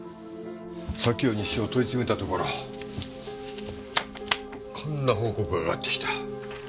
左京西署を問い詰めたところこんな報告が上がってきた。